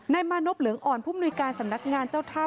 มานพเหลืองอ่อนผู้มนุยการสำนักงานเจ้าท่า